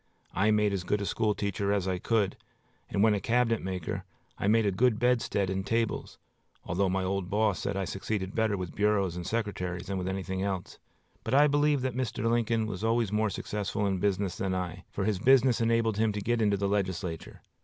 I made as good a school teacher as I could, and, when a cabinet maker, I made a good bedstead and tables, although my old boss said I succeeded better with bureaus and secretaries than with anything else; but I believe that Lincoln was always more successful in business than I, for his business enabled him to get into the legislature.